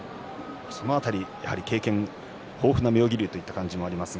その辺り、経験豊富な妙義龍という感じがあります。